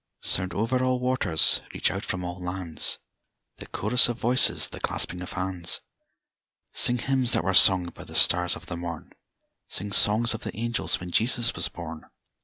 Sound over all waters, reach out from all lands, The chorus of voices, the clasping of hands; Sing hymns that were sung by the stars of the morn, Sing songs of the angels when Jesus was born!